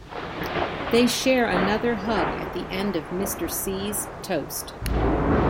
They share another hug at the end of Mr. C's toast.